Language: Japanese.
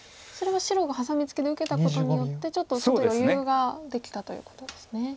それは白がハサミツケで受けたことによってちょっと余裕ができたということですね。